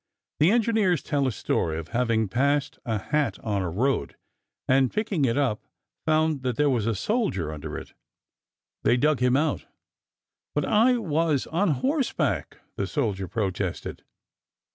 The engineers tell a story of having passed a hat on a road, and on picking it up, found that there was a soldier under it. They dug him out. "But I was on horseback," the soldier protested.